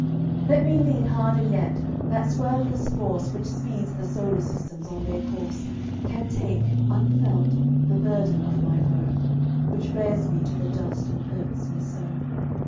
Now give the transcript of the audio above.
Let me lean harder yet. That swerveless force Which speeds the solar systems on their course Can take, unfelt, the burden of my woe, Which bears me to the dust and hurts me so.